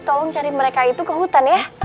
tolong cari mereka itu ke hutan ya